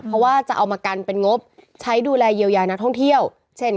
เพราะว่าจะเอามากันเป็นงบใช้ดูแลเยียวยานักท่องเที่ยวเช่น